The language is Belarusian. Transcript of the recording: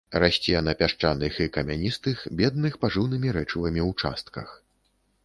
Расце на пясчаных і камяністых, бедных пажыўнымі рэчывамі участках.